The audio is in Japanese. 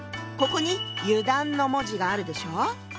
ここに「油断」の文字があるでしょう？